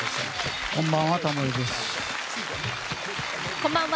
こんばんは。